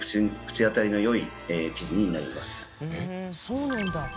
そうなんだ。